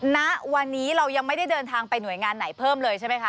ณวันนี้เรายังไม่ได้เดินทางไปหน่วยงานไหนเพิ่มเลยใช่ไหมคะ